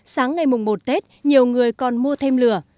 sáng ngày mùng một tết nhiều người còn mua thêm lửa